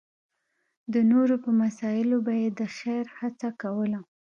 د نورو په مسایلو به یې د خېر هڅه کوله.